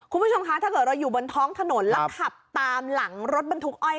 คุณผู้ชมคะถ้าเกิดเราอยู่บนท้องถนนแล้วขับตามหลังรถบรรทุกอ้อย